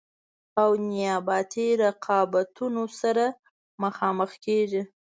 او نیابتي رقابتونو سره مخامخ کیږي.